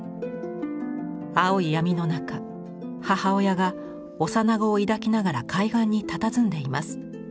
青い闇の中母親が幼子を抱きながら海岸にたたずんでいます。